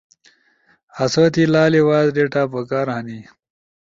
آسو تی لالی وائس ڈیٹا پکار ہنی۔